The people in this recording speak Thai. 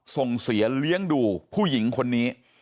ส่งเสียเลี้ยงดูผู้หญิงคนนี้